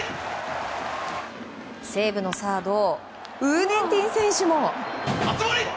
西武のサードウー・ネンティン選手も。